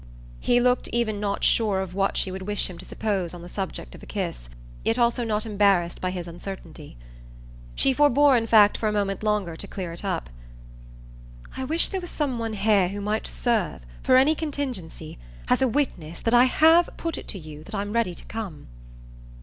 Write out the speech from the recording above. He looked even not sure of what she would wish him to suppose on the subject of a kiss, yet also not embarrassed by his uncertainty. She forbore in fact for a moment longer to clear it up. "I wish there were some one here who might serve for any contingency as a witness that I HAVE put it to you that I'm ready to come."